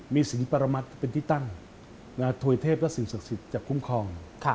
มีสิงปรมัติเป็นที่ตั้งถวยเทพและสิ่งศักดิ์สิทธิ์จะคุ้มครอง